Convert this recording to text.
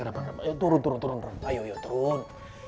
hai enggak enggak turun turun turun turun turun